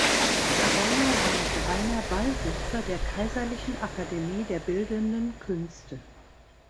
Ferner war Greiner Beisitzer der kaiserlichen Akademie der bildenden Künste.